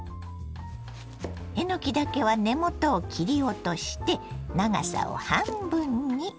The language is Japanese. えのきだけは根元を切り落として長さを半分に。